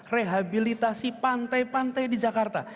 rehabilitasi pantai pantai di jakarta